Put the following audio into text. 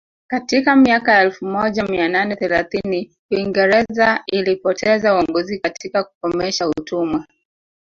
Katika miaka ya elfu moja mia nane thelathini Uingereza ilipoteza uongozi katika kukomesha utumwa